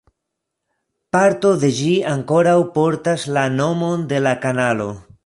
Parto de ĝi ankoraŭ portas la nomon de la kanalo.